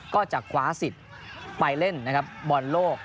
ก็จะขวาสิทธิ์ไปเล่นบอลโลก